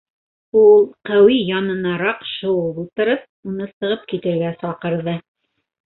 Ул, Ҡәүи янынараҡ шыуып ултырып, уны сығып китергә саҡырҙы.